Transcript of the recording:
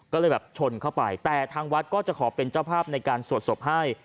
ก็เลยแบบชนเข้าไปแต่ทางวัดก็จะขอเป็นเจ้าภาพในการสวดศพให้